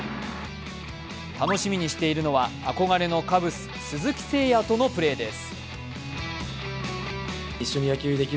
楽しみにしているのは、憧れのカブス・鈴木誠也とのプレーです。